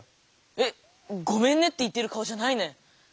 えっ⁉「ごめんね」って言ってる顔じゃないね。